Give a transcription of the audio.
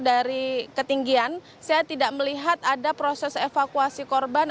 dari ketinggian saya tidak melihat ada proses evakuasi korban